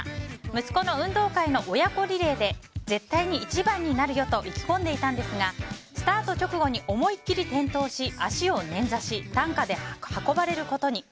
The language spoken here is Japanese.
息子の運動会の親子リレーで絶対に一番になるよと意気込んでいたんですがスタート直後に思い切り転倒し足をねんざし担架で運ばれることに。